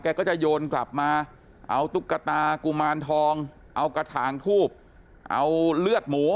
ก็จะโยนกลับมาเอาตุ๊กตากุมารทองเอากระถางทูบเอาเลือดหมู